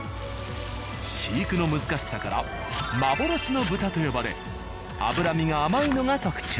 飼育の難しさから幻の豚と呼ばれ脂身が甘いのが特徴。